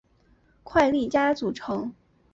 快利佳组成。